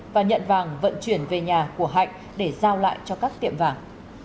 và nhận vàng vận chuyển về nhà của hạnh để giao lại cho các tiệm vàng